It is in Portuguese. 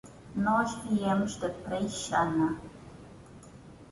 Nós viemos da Preixana.